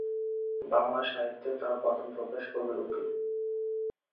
বাংলা সাহিত্যে তার প্রথম প্রবেশ কবিরূপেই।